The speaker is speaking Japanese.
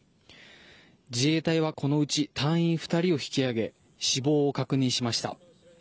自衛隊はこのうち隊員２人を引き上げ、死亡を確認しました。